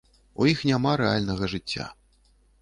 У іх няма рэальнага жыцця.